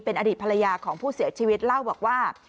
อดีตภรรยาของผู้เสียชีวิตเล่าบอกว่า